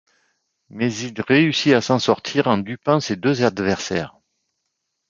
Mais il réussit à s'en sortir en dupant ses deux adversaires.